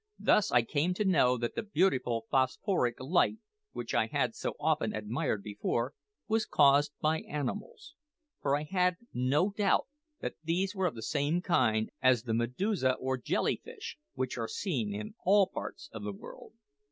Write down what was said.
Thus I came to know that the beautiful phosphoric light, which I had so often admired before, was caused by animals; for I had no doubt that these were of the same kind as the medusa or jelly fish, which are seen in all parts of the world.